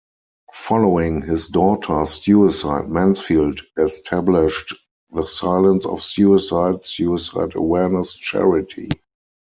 Following his daughter's suicide Mansfield established The Silence Of Suicide, suicide awarness charity.